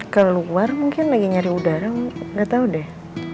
keluar mungkin lagi nyari udara nggak tahu deh